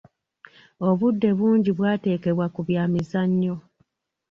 Obudde bungi bwateekebwa ku bya mizannyo.